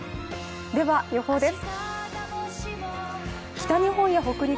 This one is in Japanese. では、予報です。